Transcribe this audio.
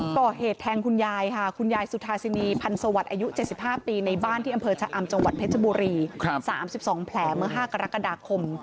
ก่อเหตุแทงคุณยายค่ะคุณยายสุธาสินีพันธ์สวัสดิ์อายุ๗๕ปีในบ้านที่อำเภอชะอำจังหวัดเพชรบุรี๓๒แผลเมื่อ๕กรกฎาคม